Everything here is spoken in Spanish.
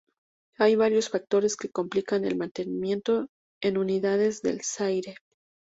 Hay varios factores que complican el mantenimiento en unidades del Zaire.